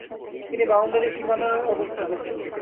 তিনি বাউন্ডারি সীমানায় অবস্থান করতেন।